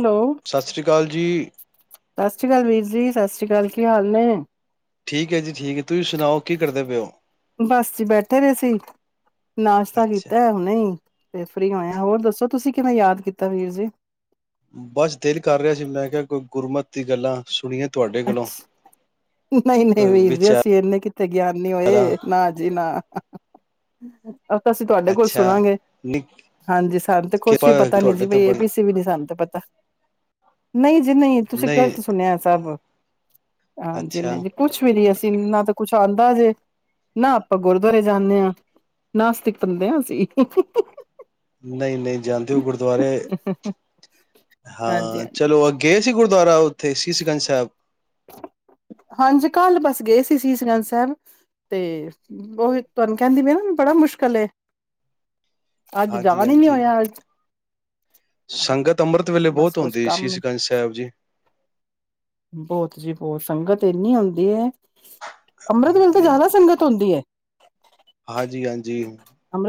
Hello ਸਤਿ ਸ੍ਰੀ ਅਕਾਲ ਜੀ। ਸਤਿ ਸ਼੍ਰੀ ਅਕਾਲ। ਵੀਰ ਜੀ। ਸਤਿ ਸ਼੍ਰੀ ਅਕਾਲ। ਕੀ ਹਾਲ ਨੇ। ਠੀਕ ਐ ਜੀ ਠੀਕ ਤੁਸੀਂ ਸੁਣਾਓ ਕੀ ਕਰਦੇ ਪਏਓ ਬਸ ਬੈਠੇ ਦੇ ਸੀ ਨਾਸ਼ਤਾ ਅੱਛਾ ਕੀਤਾ ਹੁਣੇ ਈ [inaudible] ਫਰੀ ਹੋਏ ਆਂ ਹੋਰ ਦੱਸੋ ਤੁਸੀਂ ਕਿਵੇਂ ਯਾਦ ਕੀਤਾ ਵੀਰ ਜੀ ਬਸ ਦਿਲ ਕਰ ਰਿਹਾ ਸੀ ਮੈਂ ਕਿਹਾ ਕੋਈ ਗੁਰਮਤ ਦੀ ਗੱਲਾਂ ਸੁਣੀਏ ਤੁਹਾਡੇ ਕੋਲੋਂ [unintelligible] ਨਹੀਂ ਨਹੀਂ ਕੋਈ ਵੀਰ ਜੀ ਵਿਚਾਰਾਂ ਅਸੀਂ ਇਨੇ ਕਿੱਥੇ ਗਿਆਨੀ ਹੋਏ ਨਾ ਜੀ ਨਾ [unintelligible] ਅ ਤਾਂ ਅਸੀਂ ਤੁਹਾਡੇ ਕੋਲ ਅੱਛਾ ਸੁਣਾਂਗੇ ਨੀ ਹਾਂਜੀ ਸਾਨੂੰ ਤੇ ਕੁਛ ਕਿਰਪਾ ਪਤਾ ਨੀ ਤੁਹਾਡੇ ਜੀ ਤੇ ਬਈ ਏ ਬੜੀ ਬੀ ਸੀ ਵੀ ਨੀ ਸਾਨੂੰ ਤੇ ਪਤਾ ਨਹੀਂ [inaudible] [unintelligible] ਜੀ ਨਹੀਂ ਤੁਸੀਂ ਗ਼ਲਤ ਸੁਣਿਆ ਸਭ ਹਾਂਜੀ ਅੱਛਾ ਨਹੀਂ ਜੀ ਕੁੱਛ ਵੀ ਨੀ [unintelligible] [unintelligible] ਨਾ ਤਾਂ ਕੁਛ ਆਂਦਾ ਜੇ ਨਾ ਆਪਾਂ ਗੁਰਦੁਆਰੇ ਜਾਨੇ ਆਂ ਨਾਸਤਿਕ ਬੰਦੇ ਆਂ ਅਸੀ ਨਹੀਂ ਨਹੀਂ ਜਾਂਦੇ ਹੋ ਗੁਰਦੁਆਰੇ ਹਾਂਜੀ ਹਾਂ ਹਾਂਜੀ ਚਲੋ [unintelligible] ਗਏ ਸੀ [unintelligible] ਤੇ ਸੀਸਗੰਜ ਸਾਹਿਬ ਹਾਂਜੀ ਕੱਲ ਬਸ ਗਏ ਸੀ ਸੀਸਗੰਜ ਸਾਹਿਬ, ਤੇ ਓਹੀ ਤੁਹਾਨੂੰ ਕਹਿੰਦੀ ਵੀ ਨਾ ਬੜਾ ਮੁਸ਼ਕਿਲ ਏ। ਅੱਜ ਜਾ ਹਾਂਜੀ ਵੀ ਨੀ ਹਾਂਜੀ ਹੋਇਆ। ਸੰਗਤ ਅੰਮ੍ਰਿਤ ਵੇਲੇ ਬਸ ਬਹੁਤ ਕੁਛ ਹੁੰਦੀ ਕੰਮ ਸੀਸਗੰਜ ਸਾਹਿਬ ਜੀ। ਬਹੁਤ ਜੀ ਬਹੁਤ ਸੰਗਤ ਇੰਨੀ ਆਉਂਦੀ ਏ ਅੰਮ੍ਰਿਤ ਵੇਲੇ ਤੇ ਜ਼ਿਆਦਾ ਸੰਗਤ ਹੁੰਦੀ ਏ। ਹਾਂਜੀ-ਹਾਂਜੀ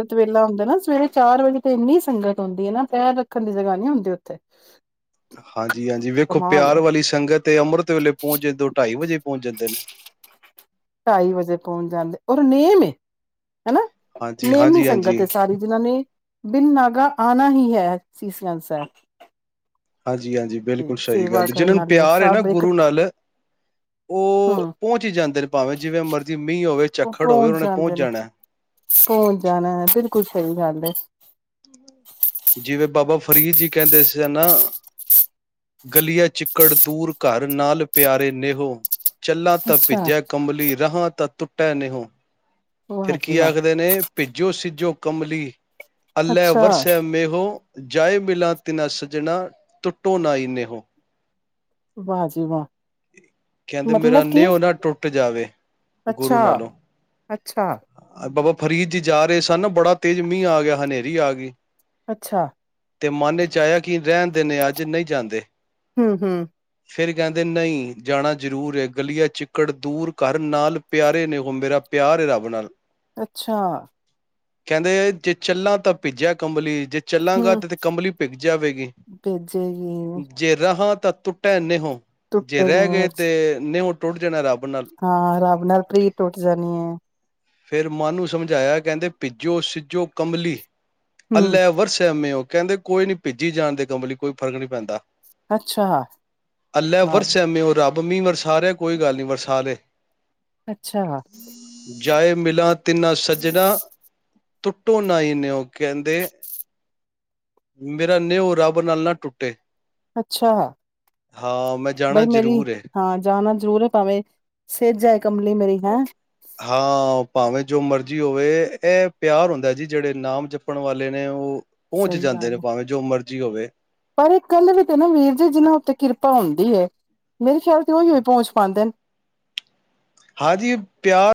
ਅੰਮ੍ਰਿਤ ਵੇਲਾ ਹੁੰਦਾ ਨਾ ਸਵੇਰੇ ਚਾਰ ਵਜੇ ਤੇ ਇੰਨੀ ਸੰਗਤ ਆਉਂਦੀ ਏ ਨਾ ਪੈਰ ਰੱਖਣ ਲਈ ਜਗਾ ਨਹੀਂ ਹੁੰਦੀ ਉੱਥੇ। ਹਾਂਜੀ-ਹਾਂਜੀ ਵੇਖੋ ਕਮਾਲ ਏ ਪਿਆਰ ਵਾਲੀ ਸੰਗਤ ਤੇ ਅੰਮ੍ਰਿਤ ਵੇਲੇ ਪਹੁੰਚੇ ਦੋ-ਢਾਈ ਵਜੇ ਪਹੁੰਚ ਜਾਂਦੇ ਨੇ। ਢਾਈ ਵਜੇ ਪਹੁੰਚ ਜਾਂਦੇ ਔਰ ਨੇਮ ਏ ਹਨਾ ਹਾਂਜੀ, ਨੇਮੀ ਹਾਂਜੀ-ਹਾਂਜੀ, ਸੰਗਤ ਏ ਸਾਰੀ ਜਿਨਾ ਨੇ ਬਿਨ ਨਾਗਾ ਆਣਾ ਹੀ ਹੈ ਸੀਸਗੰਜ ਸਾਹਿਬ। ਹਾਂਜੀ-ਹਾਂਜੀ ਤੇ ਬਿਲਕੁਲ ਸਹੀ ਸੇਵਾ ਗੱਲ, ਜਿਹਨਾਂ ਕਰਨ ਨੂੰ ਆਲੇ ਪਿਆਰ ਏ ਨਾ ਸਭ ਇੱਕ ਗੁਰੂ ਨਾਲ ਉਹ ਹੂੰ ਪਹੁੰਚ ਈ ਜਾਂਦੇ ਨੇ ਭਾਵੇਂ ਜਿਵੇਂ ਮਰਜ਼ੀ ਮੀਂਹ ਹੋਵੇ ਉਹ ਝੱਖੜ ਹੋਵੇ ਉਹਨਾਂ ਪਹੁੰਚ ਜਾਂਦੇ ਨੇ। ਜਾਣਾ। ਪਹੁੰਚ ਜਾਣੈ ਕੁਛ ਨੀ ਜਾਂਦੇ। ਜਿਵੇਂ ਬਾਬਾ ਫਰੀਦ ਜੀ ਕਹਿੰਦੇ ਸਨ, ਗਲੀਆ ਚਿੱਕੜ ਦੂਰ ਘਰ ਨਾਲ ਪਿਆਰੇ ਨੇਹੋ ਚੱਲਾਂ ਤਾਂ ਅੱਛਾ ਭਿੱਜਿਆ ਕੰਬਲੀ ਰਹਾਂ ਤਾਂ ਤੁੁ ਟੇ ਨੇਹੋ। ਵਾਹ ਫਿਰ ਜੀ ਕੀ ਵਾਹ ਆਖਦੇ ਨੇ ਭਿੱਜੋ ਸਿੱਜੋ ਕਮਲੀ ਅੱਲੇ ਅੱਛਾ ਵਰਸ਼ੇ ਮੇਹੋ। ਜਾਏ ਮਿਲਾ ਤਿਨਾ ਸੱਜਣਾ ਤੁੁੱਟੋ ਨਾਹੀ ਨੇਹੋ। ਵਾਹ ਜੀ ਵਾਹ। ਕਹਿੰਦੇ ਮੇਰਾ ਮਤਲਬ ਕਿ ਨਿਹੋ ਨਾ ਟੁੱਟ ਜਾਵੇ ਗੁਰੂ ਅੱਛਾ ਨਾਲੋਂ। ਅੱਛਾ ਬਾਬਾ ਫਰੀਦ ਜਾ ਰਹੇ ਸਨ ਨਾ ਬੜਾ ਤੇਜ਼ ਮੀਂਹ ਆ ਗਿਆ ਹਨੇਰੀ ਆ ਗਈ। ਅੱਛਾ ਤੇ ਮਨ ਵਿਚ ਆਇਆ ਕਿ ਰਹਿਣ ਦਿੰਨੇ ਅੱਜ ਨਹੀਂ ਜਾਂਦੇ। ਹੂੰ ਹੂੰ ਫੇਿਰ ਕਹਿੰਦੇ ਨਹੀਂ ਜਾਣਾ ਜ਼ਰੂਰ ਹੈ ਗਲੀਆ ਚਿੱਕੜ ਦੂਰ ਘਰ ਨਾਲ ਪਿਆਰੇ ਨੇ ਉਹ ਮੇਰਾ ਪਿਆਰ ਹੈ ਰੱਬ। ਉਹ ਨਾਲ ਅੱਛਾ ਕਹਿੰਦੇ ਜੇ ਚੱਲਾਂ ਤਾਂ ਭਿੱਜਿਆ ਕੰਬਲੀ ਜੇ ਚੱਲਾਂਗਾ ਹੂੰ ਤੇ ਤੇ ਕੰਬਲੀ ਪਿਗ ਜਾਵੇਗੀ, ਭੇਜੇਗੀ ਜੇ ਰਹਾਂ ਤਾਂ ਤੁੁੱਟਿਆ ਨਹੀਂ ਹੋ। ਜੇ ਟੁੱਟੇ ਰਹਿ ਨੀ ਗਏ ਅੱਜ। ਤੇ ਨਿਓ। ਟੋਟ ਜਾਣਾ ਰੱਬ ਟੋ ਹਾਂ ਰੱਬ ਨਾਲ ਪ੍ਰੀਤ ਉੱਠ ਜਾਣੀ ਹੈ। ਫਿਰ ਮਨ ਨੂੰ ਸਮਝਾਇਆ ਕਹਿੰਦੇ ਭਿਜੋ ਸਿੱਜੋ ਕਮਲੀ। ਹੂੰ ਅੱਲੇ ਵਰਸੇ ਮੇੳ ਕਹਿੰਦੇ ਕੋਈ ਨੀ ਭਿੱਜੀ ਜਾਣ ਦੇ ਕਮਲੀ ਕੋਈ ਫਰਕ ਨਹੀਂ ਪੈਂਦਾ। ਅੱਛਾ ਅੱਲੇ ਵਾਹ ਜੀ, ਵਰਸੇ ਮੇ ਉਹ ਰੱਬ। ਉਹ ਮੀਂਹ ਵਰਸਾ ਰਿਹਾ ਕੋਈ ਗੱਲ ਨਹੀਂ ਵਰਸਾਲੇ। ਅੱਛਾ। ਜਾਏ ਮਿਲਾਂ ਤਿੰਨਾਂ ਸੱਜਣਾਾਂ ਟੁੱਟੋ ਨਾ ਹੀ ਨੇਿਓ, ਕਹਿੰਦੇ ਮੇਰਾ ਨਿਓ ਰੱਬ ਨਾਲ ਨਾ ਟੁੱਟੇ। ਅੱਛਾ ਹਾਂ ਮੈਂ ਜਾਣਾ ਬਈ ਮੇਰੀ ਜ਼ਰੂਰ ਏ ਹਾਂ ਜਾਣਾ ਜ਼ਰੂਰ ਹੈ ਭਾਵੇਂ ਸਿਰਜਏ ਕਮਲੀ ਮੇਰੀ ਹੈਂ। ਹਾਂ ਭਾਵੇਂ ਜੋ ਮਰਜ਼ੀ ਹੋਵੇ ਇਹ ਪਿਆਰ ਹੁੰਦਾ ਜੀ ਜਿਹੜੇ ਨਾਮ ਜਪਣ ਵਾਲੇ ਨੇ ਉਹ। ਪਹੁੰਚ ਸਹੀ ਜਾਂਦੇ ਗੱਲ ਨੇ ਹੈ ਭਾਵੇਂ ਜੋ ਮਰਜ਼- ਜੀ ਹੋਵੇ। ਪਰ ਇੱਕ ਗੱਲ ਵੀ ਤੇ ਨਾ ਵੀਰ ਜੀ ਜਿਨਾਂ ਉੱਤੇ ਕਿਰਪਾ ਹੁੰਦੀ ਹੈ ਮੇਰੇ ਖਿਆਲ ਤੇ ਉਹੀ ਹੀ ਪਹੁੰਚ ਪਾਦੇ ਨੇ। ਹਾਂਜੀ ਪਿਆਰ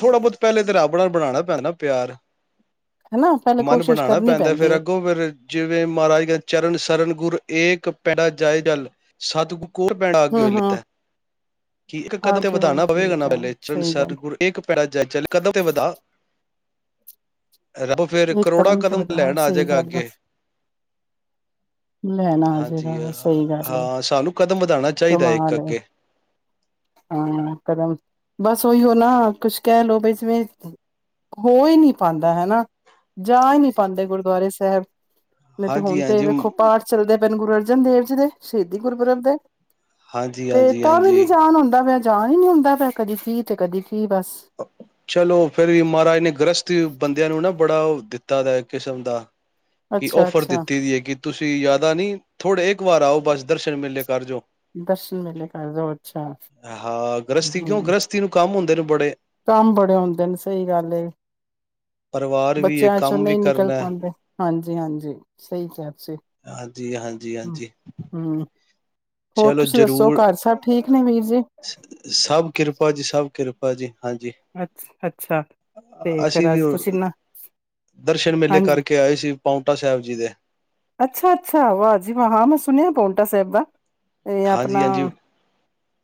ਥੋੜ੍ਹਾ ਬਹੁਤ ਪਹਿਲੇ ਤਾਂ ਰੱਬ ਨਾਲ ਬਣਾਣਾ ਪੈਦਾ ਨਾ ਪਿਆਰ। ਹਨਾ ਪਹਿਲੇ ਮਨ ਕੋਸ਼ਿਸ਼ ਬਣਾਣਾ ਕਰਨੀ ਪੈਂਦਾ ਪੈਂਦੀ ਫਿਰ ਹੈ ਅੱਗੋਂ ਫਿਰ ਜਿਵੇਂ ਮਹਾਰਾਜ ਚਰਨ ਸਰਨ। ਗੁਰ ਏਕ ਪੈਂਡਾ ਜਾਇ ਜਲ ਸਤਿਗੁਰ। ਹੋਰ ਪੈਂਡਾ ਅਗੇ ਹੂੰ ਹੋਏ ਹੂੰ ਲਿੱਤਾ ਕਿ ਇੱਕ ਕਦਮ ਤੇ ਆਗੇ ਹੋਏ ਵਧਾਣਾ ਪਏਗਾ ਪਲੇਤ ਨਾ ਹੈ ਪਹਿਲੇ ਚਰਨ ਸਹੀ ਸਰ ਗੱਲ ਗੁਰ। ਇਕ ਪੈਂਡਾ ਜਾਈ ਚੱਲ ਇਕ ਕਦਮ ਤੇ ਵਧਾ। ਰੱਬ ਫੇਰ ਇੱਕ ਕਰੋੜਾਂ ਤੇ ਕਦਮ ਵਧਾ ਲੈਣ ਆ ਸਹੀ ਜਾਏਗਾ ਗੱਲ ਹੈ ਅੱਗੇ ਲੈਣਾ ਆ ਹਾਂਜੀ ਜੇਗਾ ਸਹੀ ਗੱਲ ਹੈ ਹਾਂ ਸਾਨੂੰ ਕਦਮ ਵਧਾਣਾ ਚਾਹੀਦਾ ਹੈ ਇੱਕ ਅੱਗੇ। ਹਾਂ ਕਦਮ ਬਸ ਉਹੀਓ ਨਾ ਕੁਛ ਕਹਿ ਲੋਓ ਬਈ ਜਿਵੇਂ ਹੋ ਹੀ ਨਹੀਂ ਪਾਂਦਾ ਹੈਨਾ। ਜਾ ਹੀ ਨਹੀਂ ਪਾਂਦੇ ਗੁਰਦੁਆਰੇ ਸਾਹਿਬ। ਨਹੀਂ ਤੇ ਹਾਂਜੀ ਹੁਣ ਤੇ ਹਾਂਜੀ ਵੇਖੋ ਪਾਠ ਚੱਲਦੇ। ਤੈਨੂੰ ਗੁਰੂ ਅਰਜਨ ਦੇਵ ਜੀ ਦੇ ਸ਼ਹੀਦੀ ਗੁਰਪੂਰਬ ਦੇ। ਹਾਂਜੀ ਤੇ ਹਾਂਜੀ ਤਾ ਵੀ ਨੀ ਹਾਂਜੀ ਜਾਣ ਹੁੰਦਾ ਪਯਾ। ਜਾਣ ਹੀ ਨੀ ਹੁੰਦਾ ਪੈ ਕਦੀ ਕੀ ਤੇ ਕਦੀ ਕੀ ਬਸ। ਚਲੋ ਫੇਰ ਵੀ ਮਹਾਰਾਜ ਨੇ ਗ੍ਰਸਤੀ ਬੰਦਿਆਂ ਨੂੰ ਨਾ ਬੜਾ ਉਹ ਦਿੱਤਾ ਦਿੱਤਾ ਦਾ ਇੱਕ ਕਿਸਮ ਦਾ ਕਿ ਅੱਛਾ ਔਫਰ ਅੱਛਾ ਦਿੱਤੀ ਦੀ ਏ ਕਿ ਤੁਸੀਂ ਜਯਾਦਾ ਨੀ ਥੋੜੇ ਇੱਕ ਵਾਰ ਆਓ ਬਸ ਦਰਸ਼ਨ ਮੇਲੇ ਕਰ ਜਾਓ। ਦਰਸ਼ਨ ਮੇਲੇ ਕਰ ਜੋ ਅਛਾ ਹਾਂ ਗ੍ਰਸਤੀ ਕਿਉਂ ਹੂੰ ਗ੍ਰਸਤੀ ਨੂੰ ਕੰਮ ਹੁੰਦੇ ਨੇ ਬੜੇ ਕੰਮ ਬੜੇ ਹੁੰਦੇ ਨੇ ਸਹੀ ਗੱਲ ਏ। ਪਰਿਵਾਰ ਵੀ ਹੈ ਬੱਚਿਆਂ ਚੋਂ ਕੰਮ ਵੀ ਨਹੀਂ ਨਿਕਲ ਕਰਨਾ ਹੈ। ਪਾਦੇ। ਹਾਂਜੀ, ਹਾਂਜੀ ਸਹੀ ਕਿਹਾ। ਤੁਸੀਂ ਹਾਂਜੀ, ਹਾਂਜੀ, ਹਾਂਜੀ। ਹਮ ਹੋਰ ਚਲੋ ਤੁਸੀਂ ਦੱਸੋ ਜ਼ਰੂਰ। ਘਰ ਸਭ ਠੀਕ ਨੇ ਵੀਰ ਜੀ ਸਭ ਕਿਰਪਾ ਜੀ ਸਭ ਕਿਰਪਾ। ਜੀ ਹਾਂਜੀ। ਅੱ ਅੱਛਾ ਤੇ ਅਸੀਂ ਫੇਰ ਵੀ ਅੱਜ ਤੁਸੀਂ ਹੁਣ ਨਾ ਦਰਸ਼ਨ ਮੇਲੇ ਹਾਂਜੀ ਕਰਕੇ ਆਏ ਸੀ ਪਾਉਂਟਾ ਸਾਹਿਬ ਜੀ ਦੇ। ਅੱਛਾ, ਅੱਛਾ ਵਾਹ ਜੀ ਵਾਹ ਹਾਂ ਮੈਂ ਸੁਣਿਆ ਪਾਉਂਟਾ ਸਾਹਿਬ ਦਾ। ਇਹ ਆਪਣਾ ਹਾਂਜੀ ਹਾਂਜੀ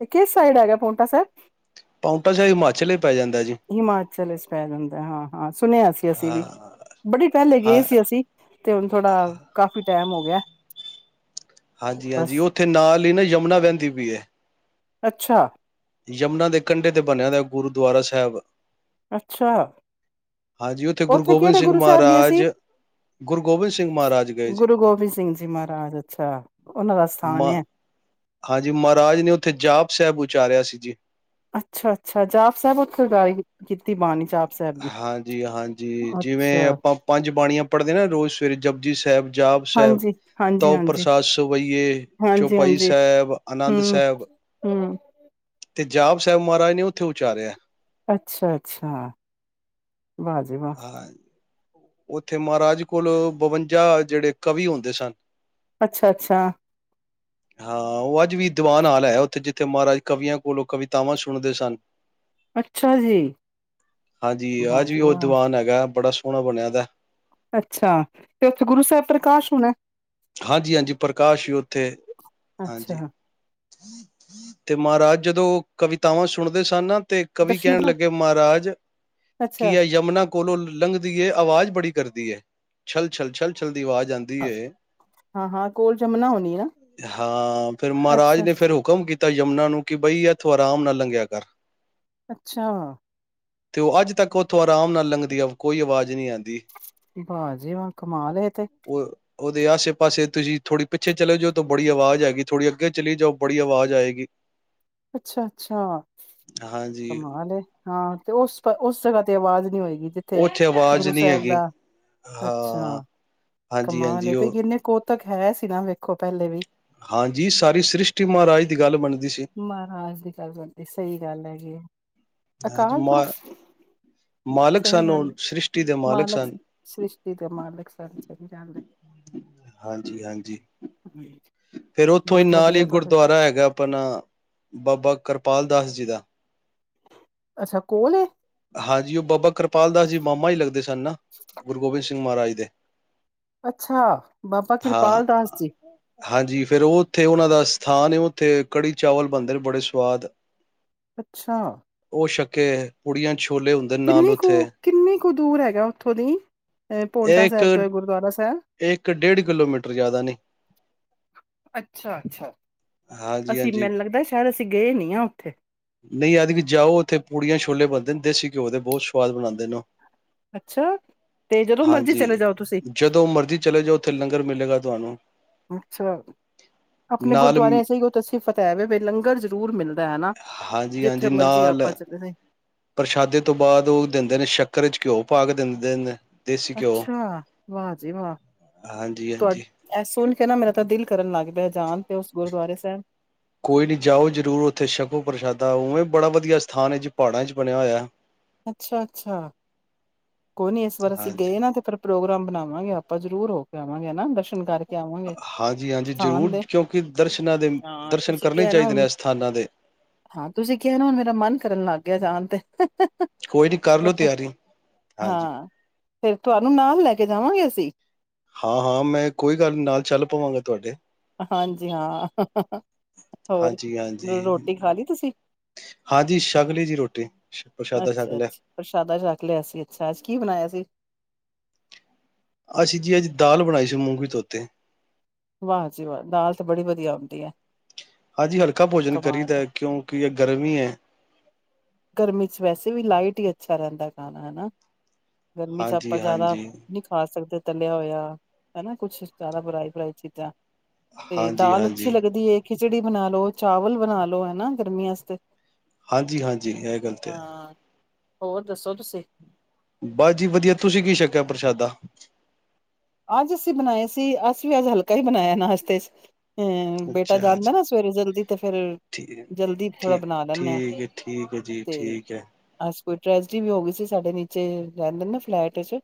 ਇਹ ਕਿਸ ਸਾਈਡ ਹੈਗਾ ਪਾਉਂਟਾ ਸਾਹਿਬ। ਪਾਉਂਟਾ ਸਾਹਿਬ ਹਿਮਾਚਲ ਹੀ ਪੈ ਜਾਂਦਾ ਜੀ ਹਿਮਾਚਲ ਵਿੱਚ ਪੈ ਜਾਂਦਾ ਹਾਂ, ਹਾਂ ਸੁਣਿਆ ਸੀ ਅਸੀਂ ਹਾਂ ਵੀ ਬੜੇ ਪਹਿਲੇ ਹਾਂ ਗਏ ਸੀ ਅਸੀਂ ਤੇ ਹੁਣ ਥੋੜਾ ਕਾਫੀ ਟਾਈਮ ਹੋ ਗਿਆ। ਹਾਂਜੀ ਹਾਂਜੀ ਬਸ ਉੱਥੇ ਨਾਲ ਹੀ ਨਾ ਯਮੁਨਾ ਵਹਿੰਦੀ ਪਈ ਹੈ। ਅੱਛਾ ਯਮੁਨਾ ਦੇ ਕੰਢੇ ਤੇ ਬਣਿਆ ਦਾ ਗੁਰੂਦੁਆਰਾ ਸਾਹਿਬ ਅੱਛਾ ਹਾਂਜੀ ਗੁਰੂ ਉੱਥੇ ਗੋਬਿੰਦ ਕਿਹੜੇ ਸਿੰਘ ਗੁਰੂ ਸਾਹਿਬ ਗਏ ਸੀ। ਮਹਾਰਾਜ ਗੁਰੂ ਗੋਬਿੰਦ ਸਿੰਘ ਮਹਾਰਾਜ ਗਏ ਜੀ ਗੁਰੂ ਗੋਬਿੰਦ ਸਿੰਘ ਜੀ ਮਹਾਰਾਜ ਅੱਛਾ ਉਹਨਾਂ ਦਾ ਸਥਾਨ ਮ ਹੈ। ਹਾਂਜੀ ਮਹਾਰਾਜ ਨੇ ਉੱਥੇ ਜਾਪ ਸਾਹਿਬ ਉਚਾਰਿਆ ਸੀ ਜੀ। ਅੱਛਾ ਅੱਛਾ ਜਾਪ ਸਾਹਿਬ ਉੱਥੇ ਗਾਇਣ ਕੀਤੀ ਬਾਣੀ ਜਾਪ ਸਾਹਿਬ ਦੀ। ਹਾਂਜੀ ਹਾਂਜੀ ਜਿਵੇਂ ਅੱਛਾ। ਆਪਾਂ ਪੰਜ ਬਾਣੀਆਂ ਪੜ੍ਹਦੇ ਨੇ ਰੋਜ਼ ਸਵੇਰੇ ਜਪਜੀ ਸਾਹਿਬ ਜਾਪ ਸਾਹਿਬ ਹਾਂਜੀ, ਤੋ ਹਾਂਜੀ-ਹਾਂਜੀ, ਪ੍ਰਸਾਦ ਸਵਈਏ ਚੌਪਾਈ ਹਾਂਜੀ-ਹਾਂਜੀ, ਸਾਹਿਬ ਆਨੰਦ ਸਾਹਿਬ ਹੂੰ-ਹੂੰ, ਤੇ ਜਾਪ ਸਾਹਿਬ ਮਹਾਰਾਜ ਨੇ ਉੱਥੇ ਉਚਾਰਿਆ। ਅੱਛਾ, ਅੱਛਾ। ਵਾਹ ਜੀ ਵਾਹ। ਹਾਂ ਉੱਥੇ ਮਹਾਰਾਜ ਕੋਲ ਬਵੰਜਾ ਜਿਹੜੇ ਕਵੀ ਹੁੰਦੇ ਸਨ। ਅੱਛਾ ਅੱਛਾ ਹਾਂ ਉਹ ਅੱਜ ਵੀ ਦੀਵਾਨ ਹਾਲ ਹੈ ਉੱਥੇ ਜਿੱਥੇ ਮਹਾਰਾਜ ਕਵੀਆਂ ਕੋਲੋਂ ਕਵਿਤਾਵਾਂ ਸੁਣਦੇ ਸਨ। ਅੱਛਾ ਜੀ, ਹਾਂਜੀ ਵਾਹ ਅੱਜ ਵੀ ਜੀ ਉਹ ਵਾਹ, ਦੀਵਾਨ ਹੈਗਾ ਬੜਾ ਓਣਾ ਬਣਿਆ। ਦਾ ਅੱਛਾ ਤੇ ਉੱਥੇ ਗੁਰੂ ਸਾਹਿਬ ਪ੍ਰਕਾਸ਼ ਹੋਣਾ। ਹਾਂਜੀ ਹਾਂਜੀ ਪ੍ਰਕਾਸ਼ ਵੀ ਉੱਥੇ। ਹਾਂਜੀ, ਅੱਛਾ ਤੇ ਮਹਾਰਾਜ ਜਦੋਂ ਕਵਿਤਾਵਾਂ ਸੁਣਦੇ ਸਨ ਨਾ ਤੇ ਕਵੀ ਦਰਸ਼ਨ ਕਹਿਣ ਲੱਗੇ ਮਹਾਰਾਜ ਕੀ ਅੱਛਾ। ਆ ਯਮੁਨਾ ਕੋਲੋਂ ਲੰਘਦੀ ਏ, ਆਵਾਜ਼ ਬੜੀ ਕਰਦੀ ਏ, ਛੱਲ ਛੱਲ ਛੱਲ ਛੱਲ ਦੀ ਆਵਾਜ਼ ਆਉਂਦੀ ਏ ਹਾਂ-ਹਾਂ ਕੋਲ ਜਮੁਨਾ ਹੋਣੀ ਨਾ, ਹਾਂ ਫਿਰ ਮਹਾਰਾਜ ਅੱਛਾ, ਨੇ ਫਿਰ ਹੁਕਮ ਕੀਤਾ ਕੀਤਾ ਯਮੁਨਾ ਨੂੰ ਕਿ ਬਈ ਇਥੋਂ ਆਰਾਮ ਨਾਲ ਲੰਘਿਆ ਕਰ ਅੱਛਾ ਤੇ ਉਹ ਅੱਜ ਤੱਕ ਉੱਥੋਂ ਆਰਾਮ ਨਾਲ ਲੰਘਦੀ ਆ ਕੋਈ ਆਵਾਜ਼ ਨਹੀਂ ਆਉਂਦੀ ਵਾਹ ਜੀ ਵਾਂ ਕਮਾਲ ਹੈ ਏ ਤੇ ਦੇ ਆਸੇ ਪਾਸੇ ਤੁਸੀਂ ਥੋੜੀ ਪਿੱਛੇ ਚਲੇ ਜਾਓ ਤਾਂ ਬੜੀ ਆਵਾਜ਼ ਆਏਗੀ ਥੋੜ੍ਹੀ ਅੱਗੇ ਚਲੀ ਜਾਓ ਬੜੀ ਆਵਾਜ਼ ਆਏਗੀ ਅੱਛਾ ਅੱਛਾ ਹਾਂਜੀ ਕਮਾਲ ਏ, ਹਾਂ, ਤੇ ਉਸ ਉਸ ਜਗ੍ਹਾ ਤੇ ਆਵਾਜ਼ ਨੀ ਹੋਏਗੀ ਜਿੱਥੇ ਉੱਥੇ ਅਵਾਜ਼ ਗੁਰੂ ਨਹੀਂ ਸਾਹਿਬ ਹੈਗੀ, ਦਾ ਹਾਂ ਅੱਛਾ ਕਮਾਲ ਹਾਂਜੀ-ਹਾਂਜੀ ਐ ਪਈ ਉਹ ਕਿਨੇ ਕੋਲ ਉ ਤੱਕ ਹੈ ਸੀ ਨਾ ਵੇਖੋ ਪਹਿਲੇ ਵੀ ਹਾਂਜੀ ਸਾਰੀ ਸ੍ਰਿਸ਼ਟੀ ਮਹਾਰਾਜ ਦੀ ਗੱਲ ਮਣਦੀ ਮਹਾਰਾਜ ਦੀ ਗੱਲ ਕਰਦੀ ਸਹੀ ਗੱਲ ਹੈਗੀ ਆ ਹਾਂਜੀ ਅਕਾਲ ਮਾ ਪੁਰਖ, ਮਾਲਕ ਸਹੀ ਸਨ ਉਹ ਗੱਲ ਹੈ, ਸ੍ਰਿਸ਼ਟੀ ਦੇ ਮਾਲਕ ਸਨ ਸ੍ਰਿਸ਼ਟੀ ਦਾ ਮਾਲਕ ਸ ਇਹਨੂ ਜਾਣਦੇ ਹਾਂਜੀ ਹਾਂਜੀ ਏ, ਫੇਰ ਉੱਥੋਂ ਹੀ ਬਹੁਤ ਨਾਲ ਹੀ ਵਧੀਆ ਤੁਹਾਡਾ ਗੁਰਦੁਆਰਾ ਹੈਗਾ, ਉਪਰ ਆਪਣਾ ਬਾਬਾ ਕਰਪਾਲ ਦਾਸ ਜੀ ਦਾ। ਅੱਛਾ ਕੋਲ ਏ। ਹਾਂਜੀ। ਉਹ ਬਾਬਾ ਕਿਰਪਾਲ ਦਾਸ ਜੀ ਮਾਮਾ ਹੀ ਲੱਗਦੇ ਸਨ ਨਾ, ਗੁਰੂ ਗੋਬਿੰਦ ਸਿੰਘ ਮਹਾਰਾਜ ਦੇ। ਅੱਛਾ ਬਾਬਾ [inaudible] ਹਾਂ। ਕਿਰਪਾਲ ਦਾਸ ਜੀ ਹਾਂਜੀ। ਫੇਰ ਉੱਥੇ ਉਹਨਾਂ ਦਾ ਥਾਂ ਨੇ ਉੱਥੇ ਕੜ੍ਹੀ ਚਾਵਲ ਬਣਦੇ ਨੇ ਬੜੇ ਸੁਆਦ। ਅੱਛਾ। ਛਕੇ ਐ ਪੁੜੀਆਂ ਛੋਲੇ ਹੁੰਦੇ ਨੇ ਨਾਲ ਕਿੰਨੀ ਕੁ ਉੱਥੇ ਕਿੰਨੀ ਕੁ ਦੂਰ ਹੈਗਾ ਉੱਥੋਂ ਦੀ, ਏ ਇਹ ਪੋਂਟਾ ਇੱਕ ਸਾਹਿਬ ਤੋਂ ਗੁਰਦੁਆਰਾ ਸਾਹਿਬ। ਇੱਕ ਡੇਢ ਕਿਲੋਮੀਟਰ ਜ਼ਿਆਦਾ ਨੀ, ਅੱਛਾ ਅੱਛਾ ਹਾਂਜੀ ਅਸੀਂ ਹਾਂਜੀ। ਮੈਨੂੰ ਲੱਗਦਾ ਸ਼ਾਇਦ ਅਸੀਂ ਗਏ ਨੀ ਆ ਉੱਥੇ। ਨਹੀਂ ਐਤਕੀ ਜਾਓ ਉਥੇ ਪੂੜੀਆਂ ਛੋਲੇ ਬਣਦੇ ਨੇ ਦੇਸੀ ਘਿਓ ਦੇ ਬਹੁਤ ਸਵਾਦ ਬਣਾਉਂਦੇ ਨੇ ਉਹ। ਅੱਛਾ ਤੇ ਜਦੋਂ ਮਰਜ਼ੀ ਹਾਂਜੀ ਚਲੇ ਜਾਓ ਤੁਸੀਂ। ਜਦੋਂ ਮਰਜ਼ੀ ਚਲੇ ਜਾਓ ਉੱਥੇ ਲੰਗਰ ਮਿਲੇਗਾ ਤੁਹਾਨੂੰ ਅੱਛਾ ਆਪਣੇ ਨਾਲ ਗੁਰਦੁਆਰੇ ਏਹੀ ਉਹ ਤਾਂ ਸੀਫਤ ਐ ਵ ਲੰਗਰ ਜ਼ਰੂਰ ਮਿਲਦਾ। ਹੈ ਨਾ, ਹਾਂਜੀ ਜਿੱਥੇ ਹਾਂਜੀ ਮਰਜ਼ੀ ਨਾਲ ਆਪਾਂ ਚੱਲੇ। ਪ੍ਰਸ਼ਾਦੇ ਤੋਂ ਬਾਅ, ਉਹ ਦਿੰਦੇ ਨੇ ਸ਼ੱਕਰ ਵਿੱਚ ਘਿਓ ਪਾ ਕੇ ਦਿੰਦੇ ਨੇ। ਦੇਸੀ ਘਿਓ ਅੱਛਾ ਵਾਹ ਜੀ ਵਾਹ ਹਾਂਜੀ ਹਾਂਜੀ ਤੁਹਾਡੀ ਕਹਿੰਨਾ ਮੇਰਾ ਤੇ ਦਿਲ ਕਰਨ ਲੱਗ ਗਿਆ। ਜਾਣਪੇ ਤੇ ਉਸ ਗੁਰਦੁਆਰੇ ਸਾਹਿਬ ਕੋਈ ਨੀ ਜਾਓ ਜ਼ਰੂਰ ਉੱਥੇ ਸ਼ਕੋ ਪ੍ਰਸ਼ਾਦਾ ਉਵੇਂ ਬੜਾ ਵਧੀਆ ਸਥਾਨ ਹੈ ਜੀ ਪਹਾੜਾਂ ਚ ਬਣਿਆ ਹੋਇਆ। ਅੱਛਾ-ਅੱਛਾ। ਕੋਈ ਨੀ ਇਸ ਵਾਰ ਅਸੀਂ ਹਾਂਜੀ ਗਏ ਨਾ ਤੇ ਪਰ ਪ੍ਰੋਗਰਾਮ ਬਣਾਵਾਂਗੇ, ਆਪਾਂ ਜ਼ਰੂਰ ਹੋ ਕੇ ਆਵਾਂਗੇ ਹੈਨਾ ਦਰਸ਼ਨ ਕਰਕੇ ਆਵਾਂਗੇ ਹਾਂਜੀ-ਹਾਂਜੀ, ਸਥਾਨ ਜ਼ਰੂਰ ਦੇ ਕਿਉਂਕਿ ਦਰਸ਼ਨਾਂ ਦੇ ਹਾਂ ਦਰਸ਼ਨ ਤੁਸੀਂ ਕਰਨੇ ਕਿਹਾ ਨਾ ਚਾਹੀਦੇ ਹੁਣ ਨੇ ਅਸਥਾਨਾਂ ਦੇ। ਲੱਗੇ ਜਾਣ ਤੇ ਹ ਕੋਈ ਨਹੀਂ ਕਰ ਲਓ ਤਿਆਰੀ। ਹਾਂਜੀ ਹਾਂ ਫਿਰ ਤੁਹਾਨੂੰ ਨਾਲ ਲੈ ਕੇ ਜਾਵਾਂ। ਅਸੀਂ ਹਾਂ-ਹਾਂ ਮੈਂ ਕੋਈ ਗੱਲ ਨੀ ਨਾਲ ਚੱਲ ਪਵਾਂਗਾ ਤੁਹਾਡੇ। ਹਾਂਜੀ, ਹਾਂ ਹ ਹ ਹੋਰ ਹਾਂਜੀ-ਹਾਂਜੀ। ਰੋਟੀ ਖਾ ਲਈ ਤੁਸੀਂ। ਹਾਂਜੀ ਹਾਂਜੀ ਛਕ ਲਈ ਜੀ ਰੋਟੀ ਪ੍ਰਸ਼ਾਦਾ ਛਕ ਅੱਛਾ ਲਿਆ ਅੱਛਾ ਪ੍ਰਸ਼ਾਦਾ ਚਖ ਲਿਆ ਸੀ, ਅੱਛਾ ਅੱਜ ਕੀ ਬਣਾਇਆ ਸੀ। ਅੱਛਾ ਜੀ ਅੱਜ ਦਾਲ ਬਣਾਈ ਸੀ ਮੂੰਗੀ ਤੋਤੀ। ਵਾਹ ਜੀ ਵਾਹ ਦਾਲ ਤੇ ਬੜੀ ਵਧੀਆ ਹੁੰਦੀ ਏ। ਹਾਂਜੀ। ਹਲਕਾ ਭੋਜਨ ਕਰੀਦਾ ਕਿਉਂਕਿ ਗਰਮੀ ਹੈ। ਗਰਮੀ ਚ ਵੈਸੇ ਵੀ ਲਾਈਟ ਹੀ ਅੱਛਾ ਰਹਿੰਦਾ ਖਾਣਾ ਹੈਨਾ। ਗਰਮੀ ਚ ਆਪਾਂ ਜਿਆਦਾ ਹਾਂਜੀ-ਹਾਂਜੀ। ਨਹੀਂ ਖਾ ਸਕਦੇ। ਤਲਿਆ ਹੋਇਆ ਹੈਨਾ ਕੁਛ ਜਿਆਦਾ ਫਰਾਈ-ਫਰਾਈ ਚੀਜ਼ਾਂ। ਤੇ ਦਾਲ ਅੱਛੀ ਹਾਂਜੀ-ਹਾਂਜੀ। ਲੱਗਦੀ ਹੈ। ਖਿਚੜੀ ਬਣਾ ਲੋ, ਚਾਵਲ ਬਣਾ ਲਓ ਹੈਨਾ ਗਰਮੀਆਂ ਤੇ। ਹਾਂਜੀ-ਹਾਂਜੀ, ਇਹ ਗੱਲ ਤੇ ਹੈ। ਹੋਰ ਦੱਸੋ ਤੁਸੀਂ। ਬਸ ਜੀ ਵਧੀਆ ਤੁਸੀਂ ਕੀ ਛਕਿਆ ਪ੍ਰਸ਼ਾਦਾ। ਅੱਜ ਅਸੀਂ ਬਣਾਏ ਸੀ, ਅਸੀ ਵੀ ਅੱਜ ਹਲਕਾ ਹੀ ਬਣਾਇਆ ਨਾਸਤੇ ਚ। ਹੂੰ, ਬੇਟਾ ਅੱਛਾ ਜਾਂਦਾ ਜੀ। ਨਾ ਸਵੇਰੇ ਜਲਦੀ ਤੇ ਫੇਰ ਠੀਕ ਜਲਦੀ ਥੋੜਾ ਠੀਕ ਬਣਾ ਲੈਂਦੇ ਹਾਂ। ਠੀਕ ਹੈ ਠੀਕ ਹੈ ਜੀ ਠੀਕ ਹੈ ਕੋਈ ਟ੍ਰੈਜਡੀ ਵੀ ਹੋ ਗਈ ਸੀ ਸਾਡੇ ਨੀਚੇ ਰਹਿੰਦੇ ਨਾ ਫਲੈਟ ਚ।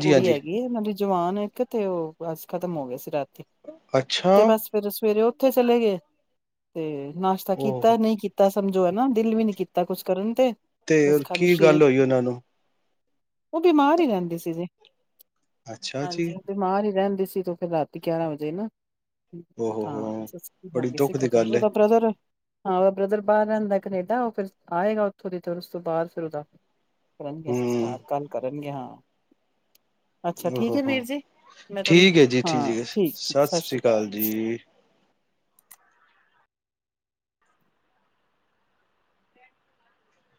ਕੁੜੀ ਹੈਗੀ ਹੈ ਉਹਨਾਂ ਦੀ। ਜਵਾਨ ਇੱਕ ਤੇ ਉਹ ਬਜ ਖ਼ਤਮ ਹੋ ਗਏ ਸੀ ਰਾਤ ਅੱਛਾ ਤੇ ਬਸ ਫੇਰ ਸਵੇਰੇ ਉਥੇ ਚਲੇ ਗਏ। ਤੇ ਨਾਸ਼ਤਾ ਕੀਤਾ ਉਹ ਨਹੀਂ ਕੀਤਾ। ਸਮਝੋ ਹੈ ਨਾ ਦਿਲ ਵੀ ਨੀ ਕੀਤਾ ਕੁਛ ਕਰਨ ਤੇ ਤੇ ਬਸ ਹੋਰ ਖਾਲੀ ਕੀ ਗੱਲ ਸ਼ੇਕ ਹੋਈ ਉਹਨਾਂ ਨੂੰ ਉਹ ਬਿਮਾਰ ਹੀ ਰਹਿੰਦੇ ਸੀ, ਜੀ। ਅੱਛਾ ਜੀ ਹਾਂਜੀ ਤੇ ਬਿਮਾਰ ਹੀ ਰਹਿੰਦਾ। ਸੀ ਤੇ ਫਿਰ ਰਾਤੀ ਗਿਆਰਾਂ ਵਜੇ ਨਾ ਹੋ ਹੋ ਹਾਂ ਹੋ ਸਸ ਹੋ ਬੜੀ ਗਈ ਸੀ ਦੁੱਖ ਦੀ ਖਤਮ ਤੇ ਗੱਲ ਹੈ ਉਹਦਾ ਬ੍ਰਦਰ ਹਾਂ, ਉਹਦਾ ਬ੍ਰਦਰ ਬਾਹਰ ਰਹਿੰਦਾ ਕਨੇਡਾ ਉਹ ਫਿਰ ਆਏਗਾ ਉੱਥੋਂ ਦੀ ਫਿਰ ਉਸ ਤੋਂ ਬਾਅਦ ਫਿਰ ਉਹਦਾ ਕਰਨਗੇ ਹਮ ਸਸਕਾਰ ਕੱਲ ਕਰਨਗੇ ਹਾਂ। ਅੱਛਾ, ਠੀਕ ਹੋ ਹੈ ਹੋ ਵੀਰ ਜੀ ਮੈਂ ਤੁਹਾਨੂੰ ਠੀਕ ਹੈ ਜੀ, ਹਾਂ ਠੀਕ ਠੀਕ ਸਤਿ ਸ੍ਰੀ ਸ਼੍ਰੀ ਅਕਾਲ ਜੀ।